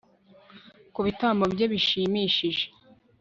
Kubitambo bye bishimishije